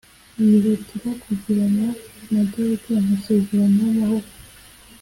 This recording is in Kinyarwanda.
bihutira kugirana na Dawidi amasezerano y’amahoro